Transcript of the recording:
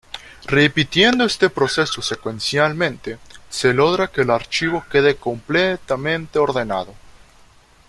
Repitiendo este proceso secuencialmente, se logra que el archivo quede completamente ordenado.